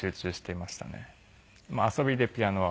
まあ遊びでピアノは。